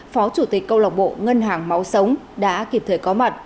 phó chủ tịch câu lọc bộ ngân hàng máu sống đã kịp thời có mặt